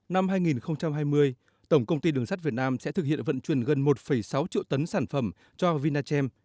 năm hai nghìn hai mươi tổng công ty đường sắt việt nam sẽ thực hiện vận chuyển gần một sáu triệu tấn sản phẩm cho vinachem